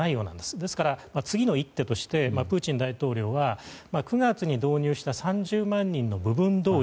ですから次の一手としてプーチン大統領は９月に導入した３０万人の部分動員